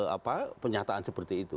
apa penyataan seperti itu